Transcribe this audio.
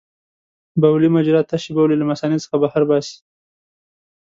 بولي مجرا تشې بولې له مثانې څخه بهر باسي.